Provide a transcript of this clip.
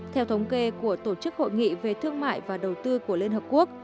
theo thống kê của tổ chức hội nghị về thương mại và đầu tư của liên hợp quốc